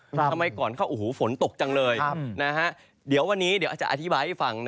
ทำไมก่อนเข้าอู้ฟนต้องจังเลยนะฮะเดี๋ยววันนี้เดี๋ยวจะอธิบายให้ฟังนะ